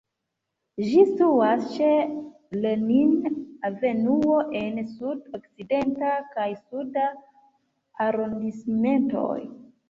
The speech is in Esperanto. Ĝi situas ĉe Lenin-avenuo en Sud-Okcidenta kaj Suda arondismentoj.